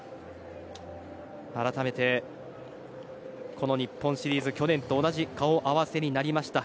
改めてこの日本シリーズ、去年と同じ顔合わせになりました。